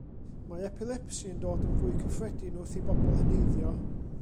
Mae epilepsi yn dod yn fwy cyffredin wrth i bobl heneiddio.